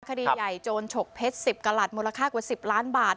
คดีใหญ่โจรฉกเพชร๑๐กระหลัดมูลค่ากว่า๑๐ล้านบาท